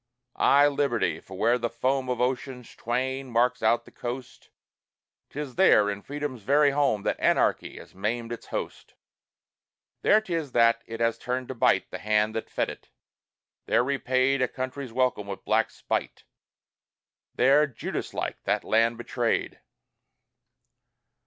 Ay, Liberty! for where the foam Of oceans twain marks out the coast 'Tis there, in Freedom's very home, That anarchy has maimed its host; There 'tis that it has turned to bite The hand that fed it; there repaid A country's welcome with black spite; There, Judas like, that land betrayed.